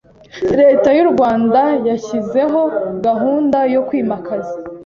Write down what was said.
Leta y’u Rwanda yashyizeho gahunda yo kwimakaza